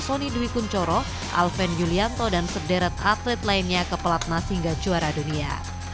sony dwi kunchoro alvin yulianto dan sederet atlet lainnya ke pelatnah hingga juara dunia